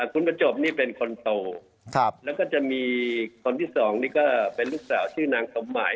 คุณประจบนี่เป็นคนโตแล้วก็จะมีคนที่สองนี่ก็เป็นลูกสาวชื่อนางสมหมาย